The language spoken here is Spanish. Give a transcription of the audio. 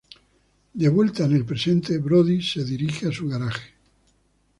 De vuelta en el presente, Brody se dirige a su garaje.